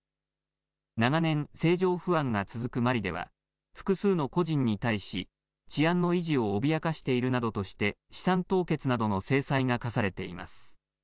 長年、政情不安が続くマリでは複数の個人に対し治安の維持を脅かしているなどとして資産凍結などの制裁が科されています。